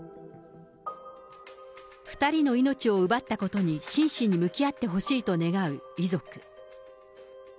２人の命を奪ったことに真摯に向き合ってほしいと願う遺族。